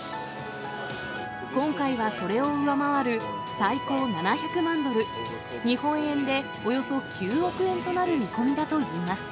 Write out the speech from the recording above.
今回はそれを上回る最高７００万ドル、日本円でおよそ９億円となる見込みだといいます。